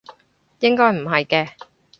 應該唔係嘅